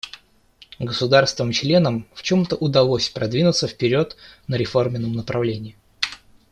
Государствам-членам в чем-то удалось продвинуться вперед на реформенном направлении.